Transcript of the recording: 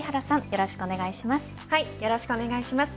よろしくお願いします。